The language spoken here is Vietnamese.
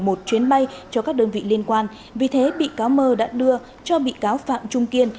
một chuyến bay cho các đơn vị liên quan vì thế bị cáo mơ đã đưa cho bị cáo phạm trung kiên